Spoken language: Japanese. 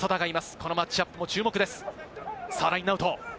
このマッチアップも注目です、ラインアウト。